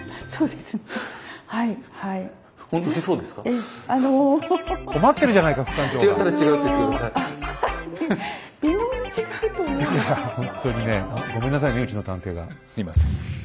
すいません。